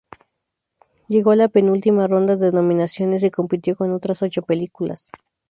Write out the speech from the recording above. Llegó a la penúltima ronda de nominaciones y compitió con otras ocho películas.